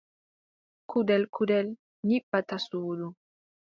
Kuɗel kuɗel nyiɓata suudu.